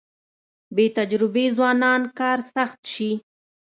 بې تجربې ځوانان کار سخت شي.